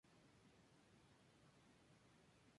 Es así como se desata la guerra civil y la persecución.